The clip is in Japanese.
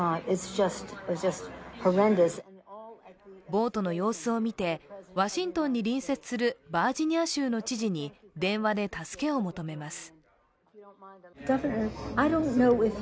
暴徒の様子を見て、ワシントンに隣接するバージニア州の知事に電話で助けを求めます。